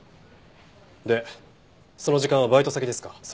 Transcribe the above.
でその時間はバイト先ですか？